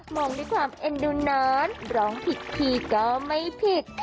มองด้วยความเอ็นดูนอนร้องผิดทีก็ไม่ผิด